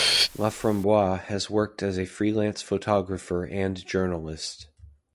Laframboise has worked as a freelance photographer and journalist.